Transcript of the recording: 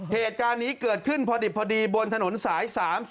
เหตุการณ์นี้เกิดขึ้นพอดิบพอดีบนถนนสาย๓๔